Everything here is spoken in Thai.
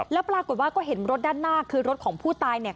แล้วปรากฏว่าก็เห็นรถด้านหน้าคือรถของผู้ตายเนี่ย